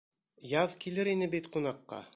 Яҙ килер ине бит ҡунаҡҡа.